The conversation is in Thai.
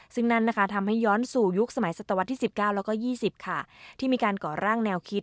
ซึ่งนั้นทำให้ย้อนสู่ยุคสมัย๑๙และ๒๐ที่มีการก่อร่างแนวคิด